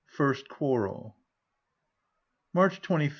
FIRST QUARREL. March 25th.